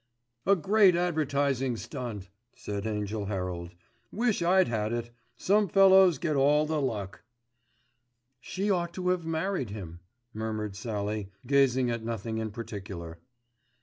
"A great advertisin' stunt," said Angell Herald. "Wish I'd had it. Some fellows get all the luck." "She ought to have married him," murmured Sallie, gazing at nothing in particular.